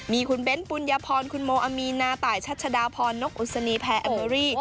มีคุณเบ้นปุญญพรคุณโมอามีนาตายชัชดาพรนกอุศนีแพรแอมเบอรี่